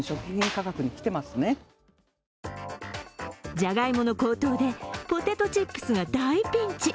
じゃがいもの高騰でポテトチップスが大ピンチ。